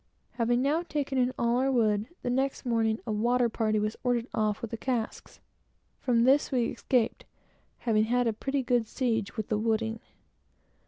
Having now taken in all our wood, the next morning a water party was ordered off with all the casks. From this we escaped, having had a pretty good siege with the wooding.